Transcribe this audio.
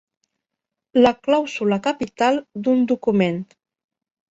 La clàusula capital d'un document.